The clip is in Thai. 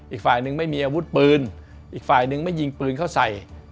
อีกฝ่ายนึงไม่มีอาวุธปืนอีกฝ่ายนึงไม่ยิงปืนเข้าใส่